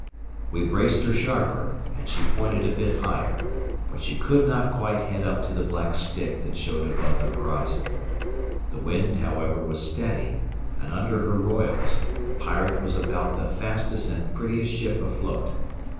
We braced her sharper, and she pointed a bit higher, but she could not quite head up to the black stick that showed above the horizon. The wind, however, was steady, and under her royals the Pirate was about the fastest and prettiest ship afloat.